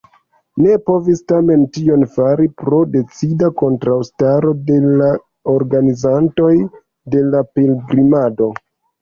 Ne povis tamen tion fari pro decida kontraŭstaro de la organizantoj de la pilgrimado.